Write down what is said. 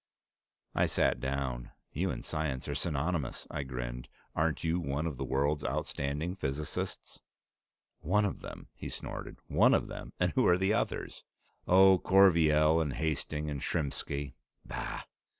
I sat down. "You and science are synonymous," I grinned. "Aren't you one of the world's outstanding physicists?" "One of them!" he snorted. "One of them, eh! And who are the others?" "Oh, Corveille and Hastings and Shrimski " "Bah!